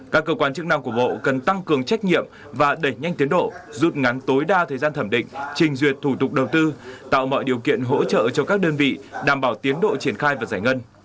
các cơ quan chức năng của bộ cần tăng cường trách nhiệm và đẩy nhanh tiến độ rút ngắn tối đa thời gian thẩm định trình duyệt thủ tục đầu tư tạo mọi điều kiện hỗ trợ cho các đơn vị đảm bảo tiến độ triển khai và giải ngân